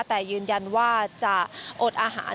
แต่ยืนยันว่าจะอดอาหาร